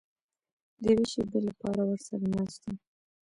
د یوې شېبې لپاره ورسره ناست وم.